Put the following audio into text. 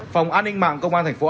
phòng an ninh mạng công an tp hcm